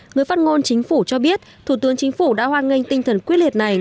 người phát ngôn chính phủ cho biết thủ tướng chính phủ đã hoan nghênh tinh thần quyết liệt này